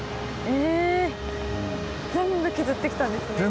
全部削ってきたんですね。